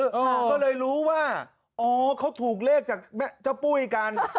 ก็เลยรู้ว่าอ๋อเขาถูกเลขจากเจ้าปุ้ยกัน